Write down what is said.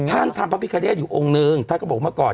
ท่านทันพระพิกณธรงค์อยู่รบผลหนึ่ง